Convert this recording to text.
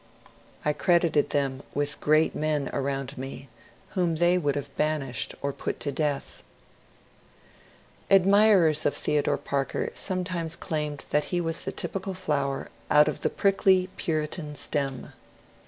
I 162 MONCURE DANIEL CONWAY credited them with great men around me, whom they would have banished or put to death. Admirers of Theodore Parker sometimes claimed that he was the typical flower out of the prickly Puritan stem.